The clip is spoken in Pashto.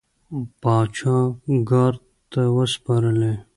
پاچا ګارد ته وسپارلې.